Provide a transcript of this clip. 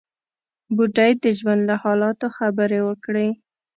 بوډۍ د ژوند له حالاتو خبرې وکړې.